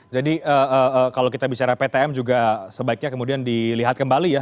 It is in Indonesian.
kalau kita bicara ptm juga sebaiknya kemudian dilihat kembali ya